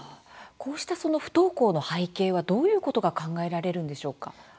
こうした不登校の背景はどういうことが考えらるんでしょうか？